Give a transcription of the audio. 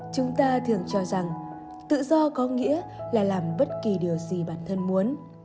chúng ta thường cho rằng tự do có nghĩa là làm bất kỳ điều gì bản thân muốn